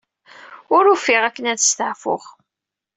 Ur ufiɣ akken ad steɛfuɣ.